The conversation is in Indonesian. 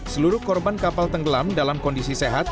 seluruh korban kapal tenggelam dalam kondisi sehat